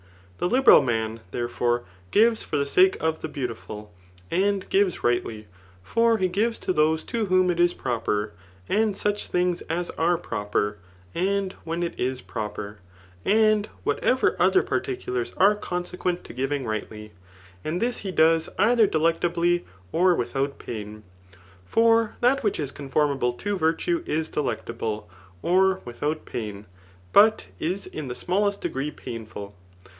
The liberal man, therefore, gives for the sake of the beautiful, and gives rightly ; for he gives to those to whom it is proper, and such things as are proper, and when it is proper, and whatever other pardculars are consequent to giiong rightly ; and this be does ather delectably, or without pain. For that which is coi^mable to virtue is delectable or without pain, but is in the smallest degree painful.